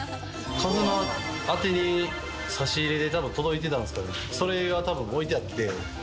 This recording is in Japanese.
届いたのは、差し入れでたぶん届いてたんですかね、それがたぶん置いてあって。